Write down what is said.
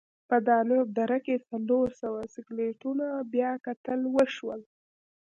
په دانوب دره کې څلور سوه سکلیټونه بیاکتل وشول.